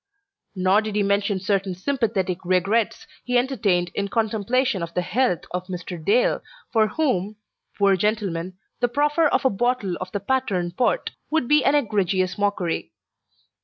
Nor did he mention certain sympathetic regrets he entertained in contemplation of the health of Mr. Dale, for whom, poor gentleman, the proffer of a bottle of the Patterne Port would be an egregious mockery.